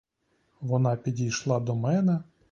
Вона підійшла до мене.